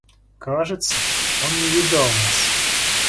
Кажется, он не видал нас.